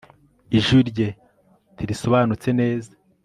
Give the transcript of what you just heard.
Ijwi rye ntirisobanutse neza